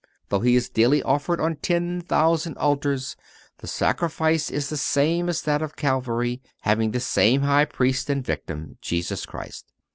Though He is daily offered on ten thousand altars, the Sacrifice is the same as that of Calvary, having the same High Priest and victim—Jesus Christ.